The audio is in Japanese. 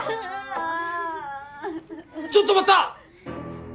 ちょっと待った！